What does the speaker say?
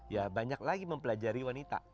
ya banyak lagi mempelajari wanita